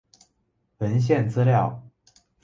文献资料